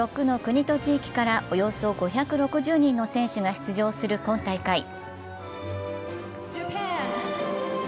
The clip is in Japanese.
４６の国と地域からおよそ５６０人の選手が出場する今大会。